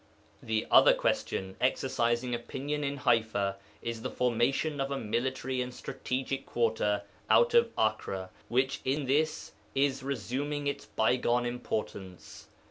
The other question exercising opinion in Ḥaifa is the formation of a military and strategic quarter out of Akka, which in this is resuming its bygone importance.